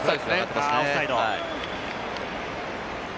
オフサイド。